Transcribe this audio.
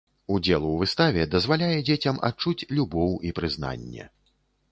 Удзел у выставе дазваляе дзецям адчуць любоў і прызнанне.